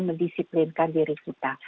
mendisiplinkan diri kita